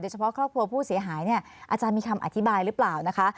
เฉพาะครอบครัวผู้เสียหายเนี่ยอาจารย์มีคำอธิบายหรือเปล่านะคะ